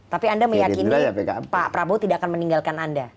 tapi anda meyakini pak prabowo tidak akan meninggalkan anda